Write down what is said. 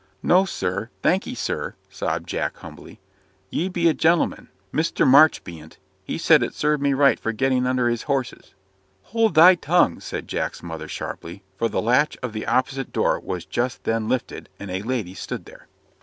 "No, sir thank'ee, sir," sobbed Jack, humbly. "You be a gentleman Mr. March bean't he said it served me right for getting under his horses." "Hold thy tongue!" said Jack's mother, sharply; for the latch of the opposite door was just then lifted, and a lady stood there.